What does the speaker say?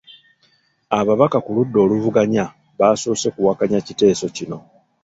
Ababaka ku ludda oluvuga basoose kuwakanya kiteeso kino.